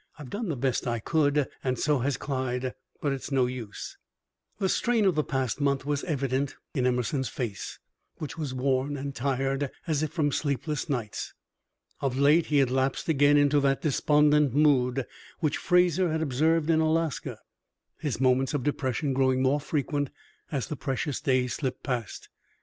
I've done the best I could, and so has Clyde, but it's no use." The strain of the past month was evident in Emerson's face, which was worn and tired, as if from sleepless nights. Of late he had lapsed again into that despondent mood which Fraser had observed in Alaska, his moments of depression growing more frequent as the precious days slipped past.